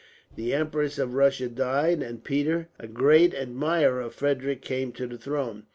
The Empress of Russia died; and Peter, a great admirer of Frederick, came to the throne.